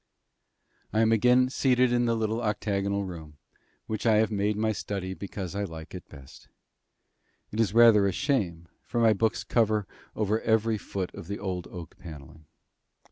I am again seated in the little octagonal room, which I have made my study because I like it best. It is rather a shame, for my books cover over every foot of the old oak panelling.